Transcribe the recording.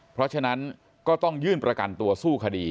เพราะฉะนั้นก็ต้องยื่นประกันตัวสู้คดี